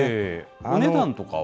お値段とかは？